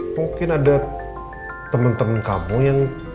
mungkin ada temen temen kamu yang